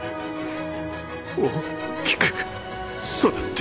大きく育って